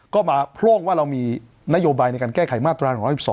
ก็มาโพร่งว่าเรามีนโยบายในการแก้ไขมาตรา๑๑๒